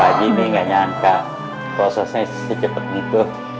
pak haji ini gak nyangka prosesnya secepet gitu